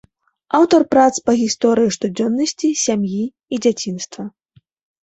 Аўтар прац па гісторыі штодзённасці, сям'і і дзяцінства.